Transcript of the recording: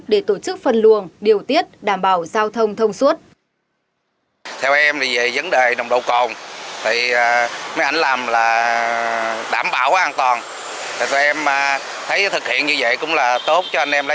để tổ chức phân luồng điều tiết đảm bảo giao thông thông suốt